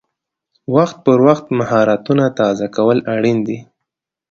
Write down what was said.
وخت پر وخت مهارتونه تازه کول اړین دي.